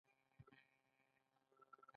ازادي راډیو د د تګ راتګ ازادي کیسې وړاندې کړي.